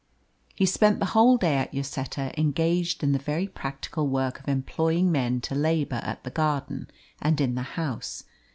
He spent the whole day at Lloseta engaged in the very practical work of employing men to labour at the garden and in the house.